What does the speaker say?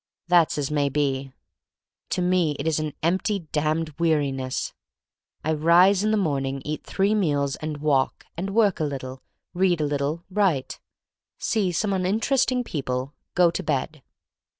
That's as may be. To me it is an empty, damned weari ness. I rise in the morning; eat three meals; and walk; and work a little, read a little, write; see some uninter esting people; go to bed.